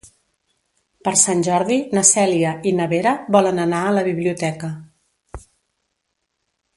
Per Sant Jordi na Cèlia i na Vera volen anar a la biblioteca.